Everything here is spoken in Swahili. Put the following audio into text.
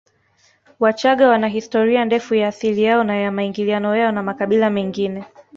Wachagga wana historia ndefu ya asili yao na ya maingiliano yao na makabila mengine